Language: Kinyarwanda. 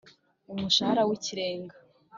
umushahara wikirenga”